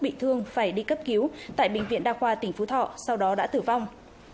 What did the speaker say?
bị thương phải đi cấp cứu tại bệnh viện đa khoa tỉnh phú thọ sau đó đã tử vong